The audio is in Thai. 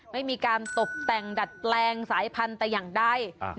ไม่มีการตกแต่งดัดแปลงสายพันธุ์แต่อย่างใด